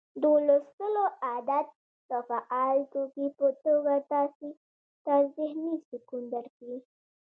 د لوستلو عادت د فعال توکي په توګه تاسي ته ذهني سکون درکړي